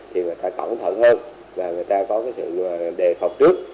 thì người ta cẩn thận hơn và người ta có cái sự đề phòng trước